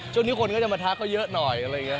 ช่วงนี้คนก็จะมาทักเขาเยอะหน่อย